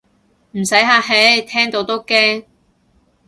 唔使客氣，聽到都驚